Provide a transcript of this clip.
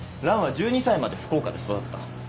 ランは１２歳まで福岡で育った。